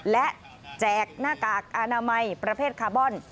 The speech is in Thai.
และแจกหน้ากากอนามัยประเภทคาร์บอน